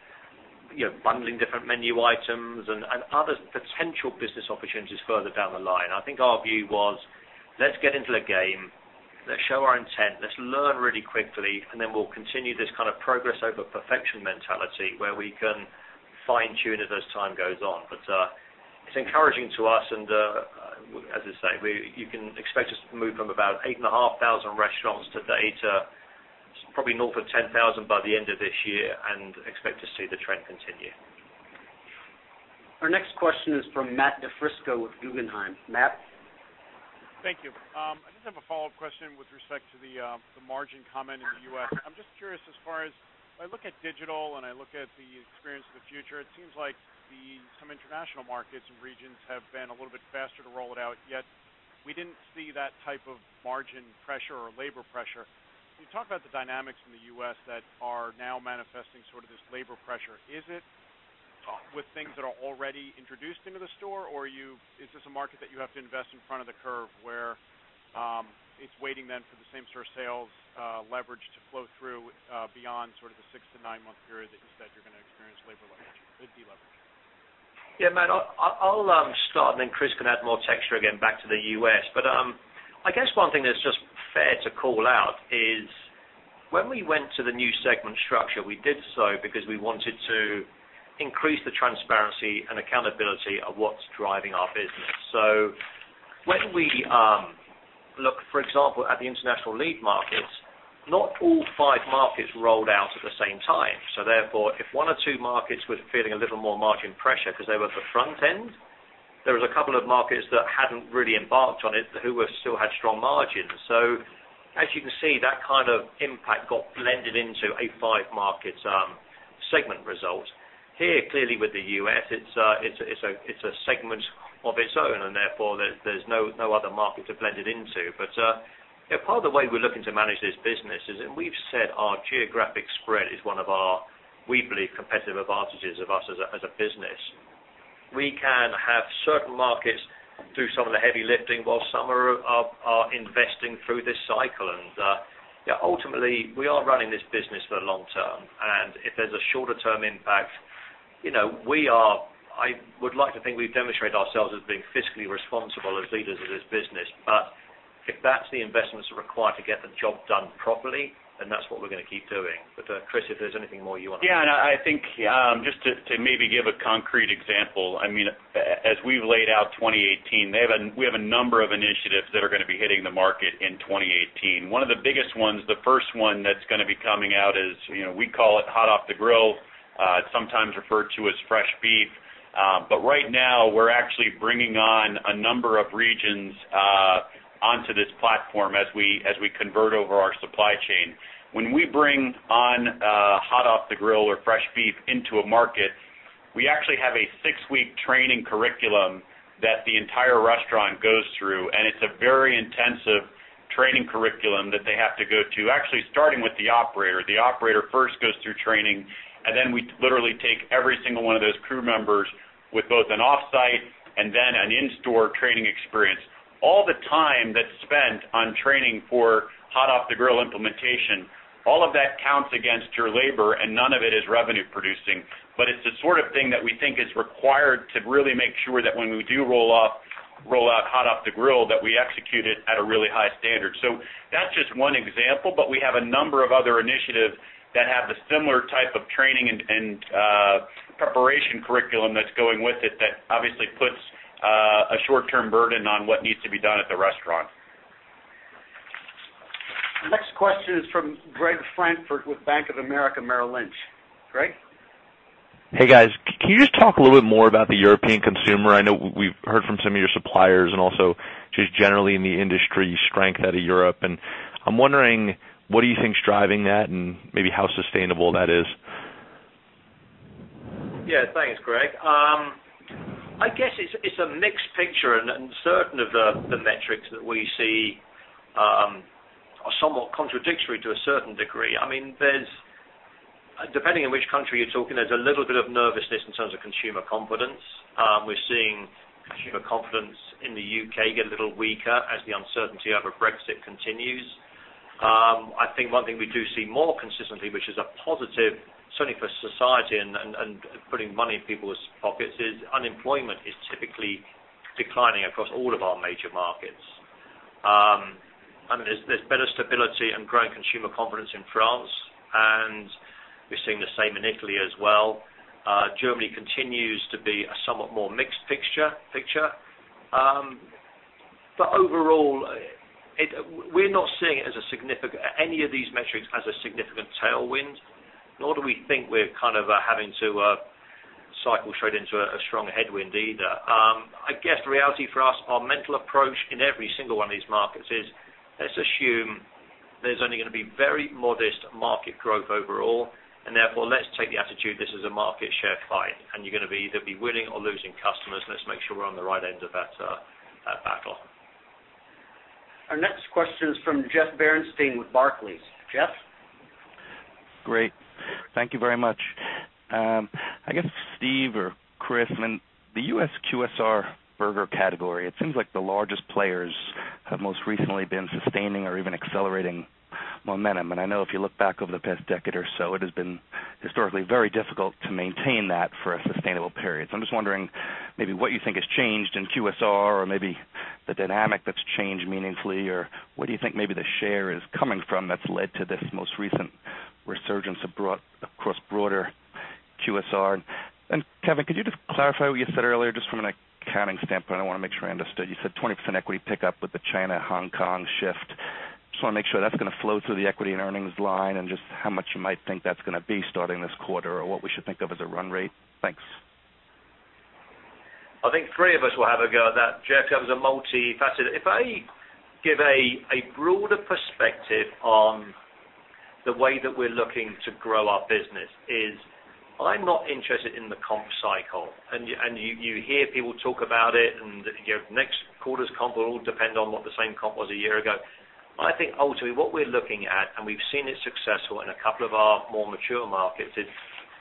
bundling different menu items and other potential business opportunities further down the line. I think our view was, let's get into the game, let's show our intent, let's learn really quickly, and then we'll continue this kind of progress over perfection mentality, where we can fine-tune it as time goes on. It's encouraging to us, and as I say, you can expect us to move from about 8,500 restaurants today to probably north of 10,000 by the end of this year and expect to see the trend continue. Our next question is from Matthew DiFrisco with Guggenheim. Matt? Thank you. I just have a follow-up question with respect to the margin comment in the U.S. I'm just curious, as far as I look at digital and I look at the Experience of the Future, it seems like some international markets and regions have been a little bit faster to roll it out, yet we didn't see that type of margin pressure or labor pressure. Can you talk about the dynamics from the U.S. that are now manifesting sort of this labor pressure? Is it with things that are already introduced into the store, or is this a market that you have to invest in front of the curve where it's waiting then for the same store sales leverage to flow through beyond sort of the six to nine-month period that you said you're going to experience labor leverage, it deleveraging? Matt, I'll start, Chris can add more texture, again, back to the U.S. I guess one thing that's just fair to call out is when we went to the new segment structure, we did so because we wanted to increase the transparency and accountability of what's driving our business. When we look, for example, at the international lead markets, not all 5 markets rolled out at the same time. Therefore, if one or two markets were feeling a little more margin pressure because they were at the front end, there was a couple of markets that hadn't really embarked on it who still had strong margins. As you can see, that kind of impact got blended into a 5-market segment result. Here, clearly with the U.S., it's a segment of its own, and therefore, there's no other market to blend it into. Part of the way we're looking to manage this business is, we've said our geographic spread is one of our, we believe, competitive advantages of us as a business. We can have certain markets do some of the heavy lifting while some are investing through this cycle. Ultimately, we are running this business for the long term, and if there's a shorter-term impact, I would like to think we've demonstrated ourselves as being fiscally responsible as leaders of this business. If that's the investments required to get the job done properly, then that's what we're going to keep doing. Chris, if there's anything more you want to add. Yeah, I think just to maybe give a concrete example, as we've laid out 2018, we have a number of initiatives that are going to be hitting the market in 2018. One of the biggest ones, the first one that's going to be coming out is, we call it Hot Off the Grill. It's sometimes referred to as Fresh Beef. Right now, we're actually bringing on a number of regions onto this platform as we convert over our supply chain. When we bring on Hot Off the Grill or Fresh Beef into a market, we actually have a six-week training curriculum that the entire restaurant goes through, it's a very intensive training curriculum that they have to go to, actually starting with the operator. The operator first goes through training, then we literally take every single one of those crew members with both an off-site and then an in-store training experience. All the time that's spent on training for Hot Off the Grill implementation, all of that counts against your labor, none of it is revenue producing. It's the sort of thing that we think is required to really make sure that when we do roll out Hot Off the Grill, that we execute it at a really high standard. That's just one example, but we have a number of other initiatives that have the similar type of training and preparation curriculum that's going with it that obviously puts a short-term burden on what needs to be done at the restaurant. The next question is from Greg Francfort with Bank of America Merrill Lynch. Greg? Hey guys, can you just talk a little bit more about the European consumer? I know we've heard from some of your suppliers and also just generally in the industry strength out of Europe, and I'm wondering what do you think is driving that and maybe how sustainable that is? Yeah. Thanks, Greg. I guess it's a mixed picture, and certain of the metrics that we see are somewhat contradictory to a certain degree. Depending on which country you're talking, there's a little bit of nervousness in terms of consumer confidence. We're seeing consumer confidence in the U.K. get a little weaker as the uncertainty over Brexit continues. I think one thing we do see more consistently, which is a positive certainly for society and putting money in people's pockets, is unemployment is typically declining across all of our major markets. There's better stability and growing consumer confidence in France, and we're seeing the same in Italy as well. Germany continues to be a somewhat more mixed picture. Overall, we're not seeing any of these metrics as a significant tailwind, nor do we think we're kind of having to cycle straight into a strong headwind either. I guess the reality for us, our mental approach in every single one of these markets is, let's assume there's only going to be very modest market growth overall, and therefore, let's take the attitude this is a market share fight and you're going to either be winning or losing customers, and let's make sure we're on the right end of that battle. Our next question is from Jeff Bernstein with Barclays. Jeff? Great. Thank you very much. I guess Steve or Chris, the U.S. QSR burger category, it seems like the largest players have most recently been sustaining or even accelerating momentum. I know if you look back over the past decade or so, it has been historically very difficult to maintain that for a sustainable period. I'm just wondering maybe what you think has changed in QSR or maybe the dynamic that's changed meaningfully, or where do you think maybe the share is coming from that's led to this most recent resurgence across broader QSR? Kevin, could you just clarify what you said earlier, just from an accounting standpoint? I want to make sure I understood. You said 20% equity pickup with the China-Hong Kong shift. I just want to make sure that's going to flow through the equity and earnings line and just how much you might think that's going to be starting this quarter, or what we should think of as a run rate. Thanks. I think three of us will have a go at that, Jeff, because it's multi-faceted. If I give a broader perspective on the way that we're looking to grow our business is I'm not interested in the comp cycle, you hear people talk about it and next quarter's comp will all depend on what the same comp was a year ago. I think ultimately what we're looking at, we've seen it successful in a couple of our more mature markets, is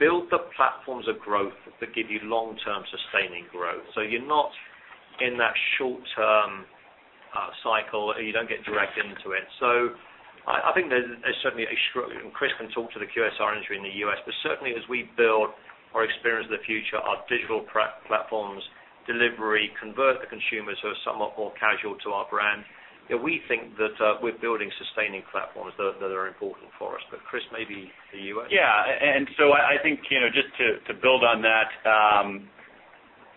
build the platforms of growth that give you long-term sustaining growth. You're not in that short-term cycle, or you don't get dragged into it. I think there's certainly a struggle, and Chris can talk to the QSR industry in the U.S., certainly as we build our Experience of the Future, our digital platforms, delivery, convert the consumers who are somewhat more casual to our brand, we think that we're building sustaining platforms that are important for us. Chris, maybe the U.S.? Yeah. I think just to build on that,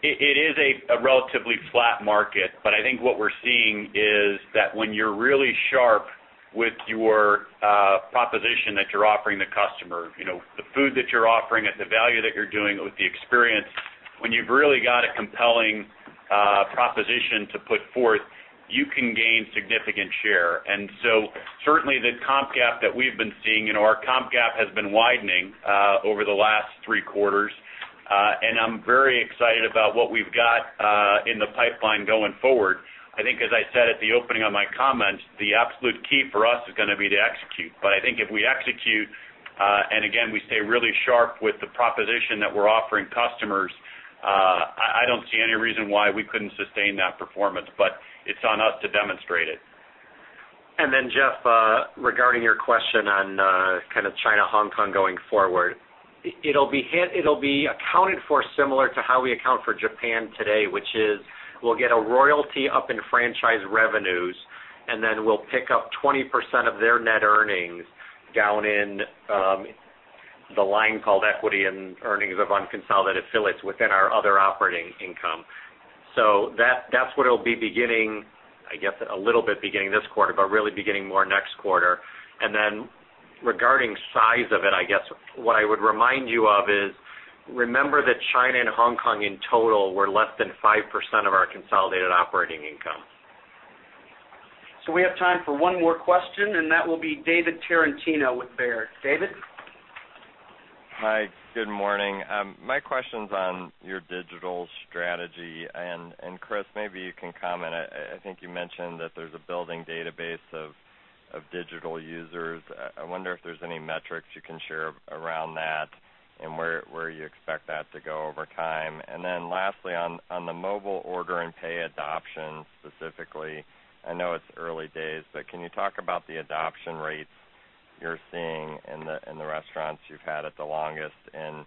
it is a relatively flat market, I think what we're seeing is that when you're really sharp with your proposition that you're offering the customer, the food that you're offering it, the value that you're doing with the experience, when you've really got a compelling proposition to put forth, you can gain significant share. Certainly the comp gap that we've been seeing, our comp gap has been widening over the last three quarters. I'm very excited about what we've got in the pipeline going forward. I think, as I said at the opening of my comments, the absolute key for us is going to be to execute. I think if we execute, and again, we stay really sharp with the proposition that we're offering customers, I don't see any reason why we couldn't sustain that performance. It's on us to demonstrate it. Jeff, regarding your question on kind of China, Hong Kong going forward, it'll be accounted for similar to how we account for Japan today, which is we'll get a royalty up in franchise revenues, and then we'll pick up 20% of their net earnings down in the line called equity and earnings of unconsolidated affiliates within our other operating income. That's what it'll be beginning, I guess, a little bit beginning this quarter, but really beginning more next quarter. Regarding size of it, I guess what I would remind you of is remember that China and Hong Kong in total were less than 5% of our consolidated operating income. We have time for one more question, and that will be David Tarantino with Baird. David? Hi, good morning. My question's on your digital strategy, and Chris, maybe you can comment. I think you mentioned that there's a building database of digital users. I wonder if there's any metrics you can share around that and where you expect that to go over time. Lastly, on the Mobile Order & Pay adoption specifically, I know it's early days, but can you talk about the adoption rates you're seeing in the restaurants you've had it the longest and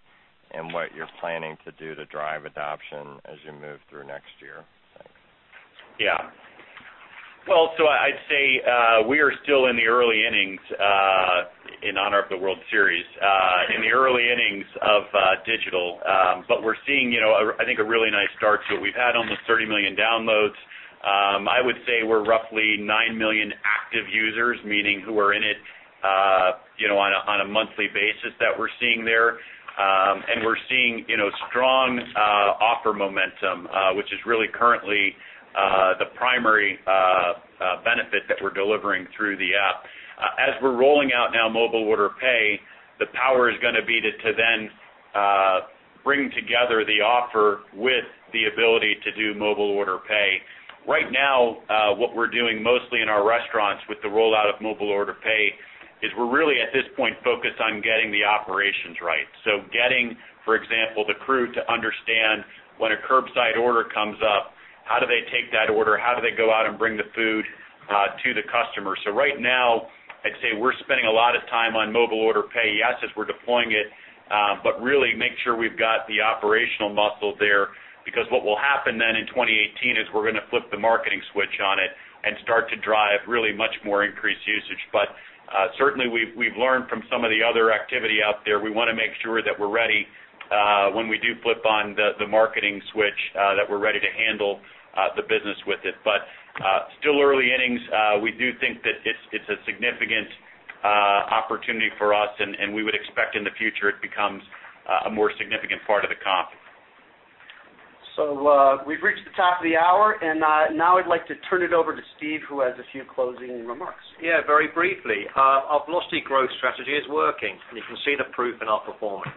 what you're planning to do to drive adoption as you move through next year? Thanks. Well, I'd say we are still in the early innings, in honor of the World Series, in the early innings of digital. We're seeing, I think, a really nice start to it. We've had almost 30 million downloads. I would say we're roughly nine million active users, meaning who are in it on a monthly basis that we're seeing there. We're seeing strong offer momentum, which is really currently the primary benefit that we're delivering through the app. As we're rolling out now Mobile Order & Pay, the power is going to be to then bring together the offer with the ability to do Mobile Order & Pay. Right now, what we're doing mostly in our restaurants with the rollout of Mobile Order & Pay is we're really, at this point, focused on getting the operations right. Getting, for example, the crew to understand when a curbside order comes up, how do they take that order? How do they go out and bring the food to the customer? Right now, I'd say we're spending a lot of time on Mobile Order & Pay, yes, as we're deploying it, but really make sure we've got the operational muscle there, because what will happen then in 2018 is we're going to flip the marketing switch on it and start to drive really much more increased usage. Certainly, we've learned from some of the other activity out there. We want to make sure that we're ready when we do flip on the marketing switch, that we're ready to handle the business with it. Still early innings. We do think that it's a significant opportunity for us, we would expect in the future it becomes a more significant part of the comp. We've reached the top of the hour, and now I'd like to turn it over to Steve, who has a few closing remarks. Yeah, very briefly. Our Velocity Growth Strategy is working, and you can see the proof in our performance.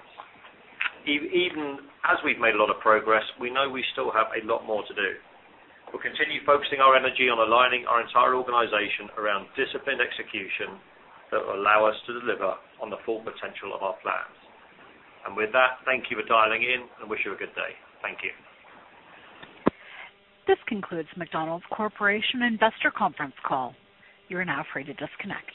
Even as we've made a lot of progress, we know we still have a lot more to do. We'll continue focusing our energy on aligning our entire organization around disciplined execution that will allow us to deliver on the full potential of our plans. With that, thank you for dialing in. I wish you a good day. Thank you. This concludes McDonald's Corporation Investor Conference Call. You're now free to disconnect.